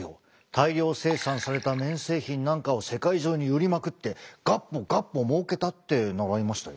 大量生産された綿製品なんかを世界中に売りまくってがっぽがっぽもうけたって習いましたよ。